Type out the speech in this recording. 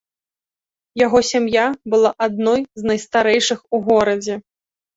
Яго сям'я была адной з найстарэйшых у горадзе.